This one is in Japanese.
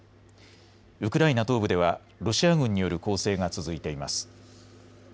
ウクライナ東部ではロシア軍による攻勢が続いています。